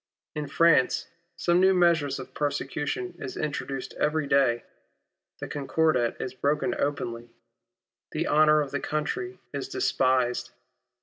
In France, some new measure of persecution is introduced every day. The Concordat is broken openly. The honour of the country is despised.